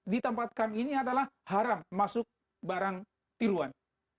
ditempatkan ini adalah haram masuk barang tiruan